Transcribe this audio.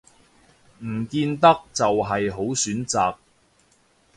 唔見得就係好選擇